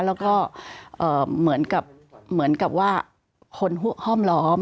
แล้วก็เหมือนกับว่าคนห้อมล้อม